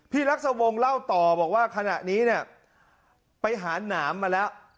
รักษวงศ์เล่าต่อบอกว่าขณะนี้เนี่ยไปหาหนามมาแล้ว